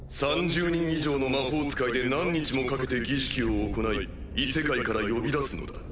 ３０人以上の魔法使いで何日もかけて儀式を行い異世界から呼び出すのだ。